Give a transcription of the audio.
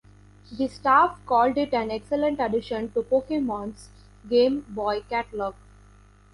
The staff called it an "excellent addition to "Pokemon"s Game Boy catalog.